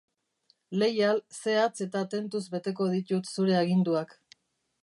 Leial, zehatz eta tentuz beteko ditut zure aginduak.